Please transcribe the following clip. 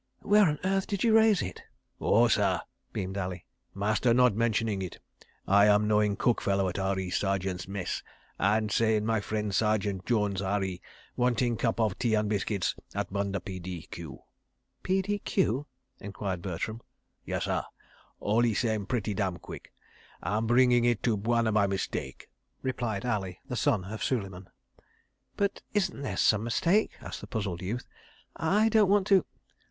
"Where on earth did you raise it?" "Oh, sah!" beamed Ali. "Master not mentioning it. I am knowing cook fellow at R.E. Sergeants' Mess, and saying my frien' Sergeant Jones, R.E., wanting cup of tea and biscuits at bunder P.D.Q." "P.D.Q.?" enquired Bertram. "Yessah, all 'e same 'pretty dam quick'—and bringing it to Bwana by mistake," replied Ali, the son of Suleiman. "But isn't there some mistake?" asked the puzzled youth. "I don't want to